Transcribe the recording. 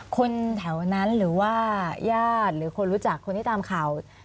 คนแถวนั้นหรือว่าญาติหรือคนรู้จักคนที่ตามข่าว